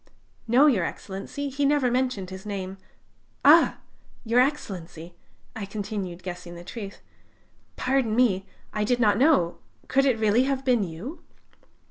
"No, Your Excellency, he never mentioned his name, ... Ah! Your Excellency!" I continued, guessing the truth: "pardon me ... I did not know ... could it really have been you?"